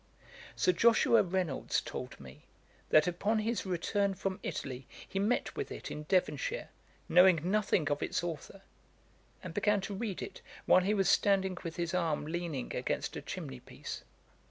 Sir Joshua Reynolds told me, that upon his return from Italy he met with it in Devonshire, knowing nothing of its authour, and began to read it while he was standing with his arm leaning against a chimney piece.